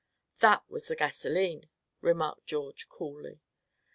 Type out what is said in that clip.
"That was the gasolene!" remarked George, coolly.